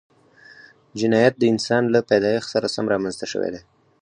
جنایت د انسان له پیدایښت سره سم رامنځته شوی دی